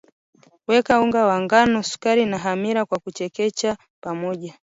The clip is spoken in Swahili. weka unga wa ngano sukari na hamira kwa kuchekecha pamoja